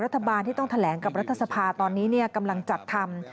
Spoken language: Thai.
รัฐบาลที่ต้องแถลงกับรัฐสภาตอนนี้กำลังจัดทำ